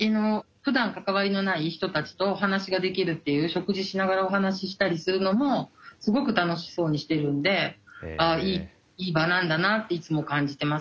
ふだん関わりのない人たちとお話ができるっていう食事しながらお話ししたりするのもすごく楽しそうにしてるんでああいい場なんだなっていつも感じてます。